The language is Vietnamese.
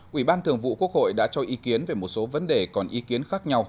quỹ ban thường vụ quốc hội đã cho ý kiến về một số vấn đề còn ý kiến khác nhau